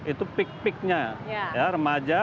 itu peak peaknya remaja